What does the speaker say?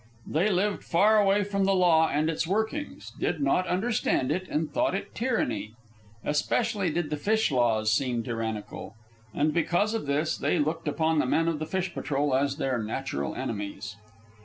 They lived far away from the law and its workings, did not understand it, and thought it tyranny. Especially did the fish laws seem tyrannical. And because of this, they looked upon the men of the fish patrol as their natural enemies.